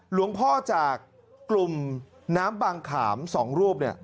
หลวงพ่อจากกลุ่มน้ำบางขาม๒รูป